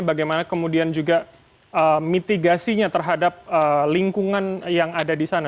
bagaimana kemudian juga mitigasinya terhadap lingkungan yang ada di sana